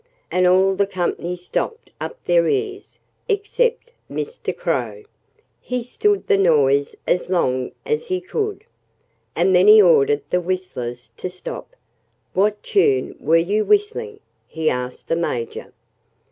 And all the company stopped up their ears, except Mr. Crow. He stood the noise as long as he could. And then he ordered the whistlers to stop. "What tune were you whistling?" he asked the Major.